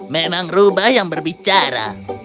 memang ruba yang berbicara